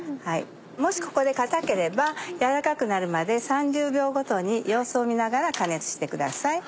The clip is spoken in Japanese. もしここで硬ければ軟らかくなるまで３０秒ごとに様子を見ながら加熱してください。